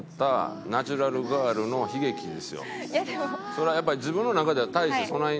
それはやっぱり自分の中では大してそないにね